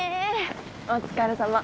お疲れさま。